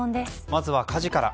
まずは火事から。